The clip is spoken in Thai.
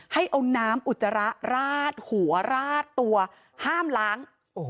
ให้เอาน้ำอุจจาระราดหัวราดตัวห้ามล้าง